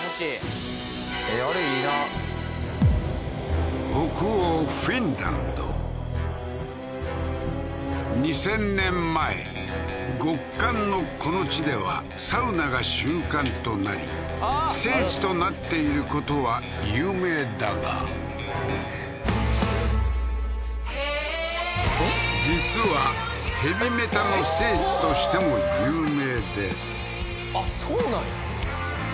あれいいな２０００年前極寒のこの地ではサウナが習慣となり聖地となっていることは有名だがＨｅｙ実はヘヴィメタの聖地としても有名であっそうなん？